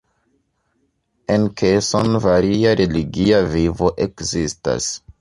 En Keson varia religia vivo ekzistas.